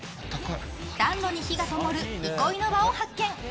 暖炉に火がともる憩いの場を発見。